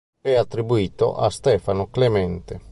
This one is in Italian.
È attribuito a Stefano Clemente.